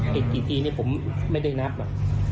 เห็นกี่ทีเนี่ยผมไม่ได้นับอ่ะ